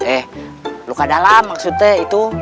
eh luka dalam maksudnya itu